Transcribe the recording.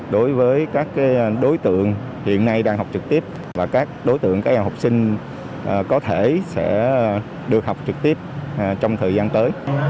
đối với các đối tượng hiện nay đang học trực tiếp và các đối tượng các em học sinh có thể sẽ được học trực tiếp trong thời gian tới